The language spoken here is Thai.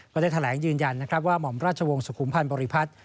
ก็ได้แถลงยืนยันนะครับว่าหม่อมราชวงศ์สุขุมพันธ์บริพัฒน์